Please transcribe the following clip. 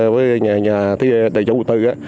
với nhà chủ tư